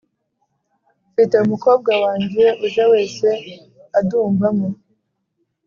Mfite umukobwa wanjye uje wese adumbamo